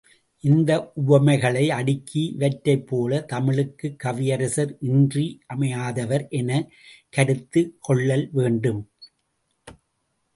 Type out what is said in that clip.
இந்த உவமைகளை அடுக்கி, இவற்றைப்போல, தமிழுக்குக் கவியரசர் இன்றி மையாதவர் எனக் கருத்து கொள்ளல் வேண்டும்.